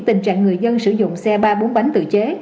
tình trạng người dân sử dụng xe ba bốn bánh tự chế